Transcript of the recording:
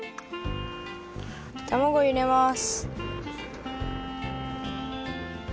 たまごいれます！